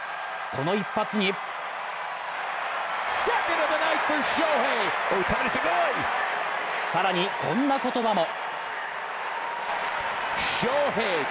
この一発に更に、こんな言葉も。